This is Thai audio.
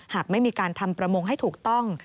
หากไม่มีการทำประมงให้ถูกต้อง